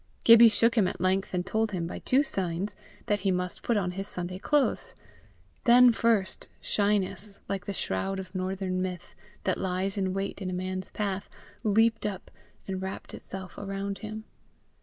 Gibbie shook him at length, and told him, by two signs, that he must put on his Sunday clothes. Then first shyness, like the shroud of northern myth that lies in wait in a man's path, leaped up, and wrapped itself around him.